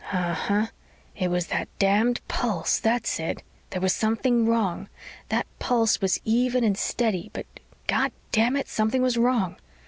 "Uh huh. It was that damned pulse. That's it. There was something wrong. That pulse was even and steady but, Goddamn it, something was wrong!"